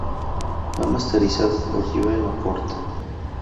Fue masterizado por "Joe LaPorta".